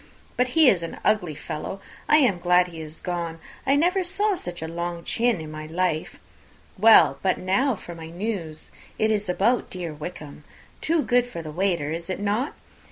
But he is an ugly fellow! I am glad he is gone. I never saw such a long chin in my life. Well, but now for my news: it is about dear Wickham; too good for the waiter, is not it?